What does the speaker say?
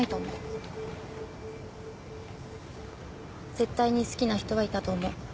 絶対に好きな人はいたと思う。